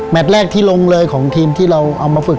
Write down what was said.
แรกที่ลงเลยของทีมที่เราเอามาฝึก